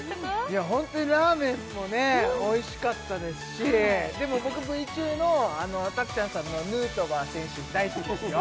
いやホントにラーメンもねおいしかったですしでも僕Ｖ中のたくちゃんさんのヌートバー選手大好きですよ